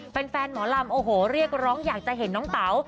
แฟนหมอลำโอ้โหเรียกร้องอยากจะเห็นน้องเต๋า